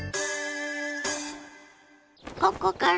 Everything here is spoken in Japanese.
ここから？